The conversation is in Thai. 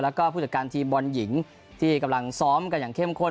แล้วก็ผู้จัดการทีมบอลหญิงที่กำลังซ้อมกันอย่างเข้มข้น